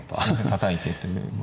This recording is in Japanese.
たたいてという。